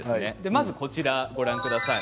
まずこちらご覧ください。